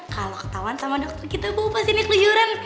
kalo ketauan sama dokter kita bawa pasiennya keliuran